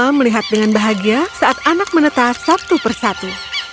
mereka melihat dengan bahagia saat anak menetas satu persatu